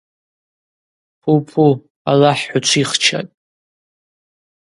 Пу-пу, Алахӏ хӏучвихчатӏ.